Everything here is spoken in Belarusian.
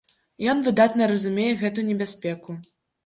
Ён выдатна разумее гэту небяспеку.